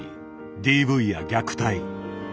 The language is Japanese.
ＤＶや虐待。